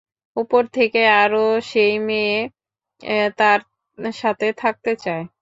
উপর থেকে আরো সেই মেয়ে তার সাথে থাকতে চায়।